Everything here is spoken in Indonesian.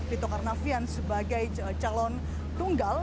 tito karnavian sebagai calon tunggal